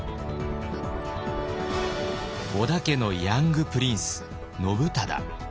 織田家のヤングプリンス信忠。